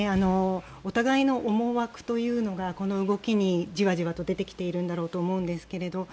お互いの思惑というのがこの動きにじわじわと出てきているんだろうと思うんですけれども。